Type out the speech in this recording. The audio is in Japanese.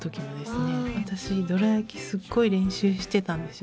私ドラやきすっごい練習してたんですよ